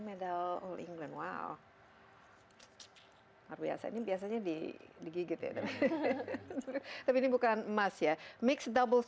medal all england wow luar biasa ini biasanya di digigit ya tapi ini bukan emas ya mix double